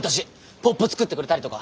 ポップ作ってくれたりとか。